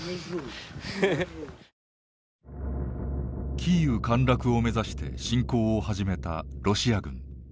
キーウ陥落を目指して侵攻を始めたロシア軍。